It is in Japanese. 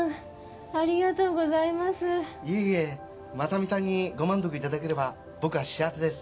いえいえ真実さんにご満足いただければ僕は幸せです。